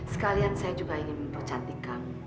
sekalian saya juga ingin mempercantik kamu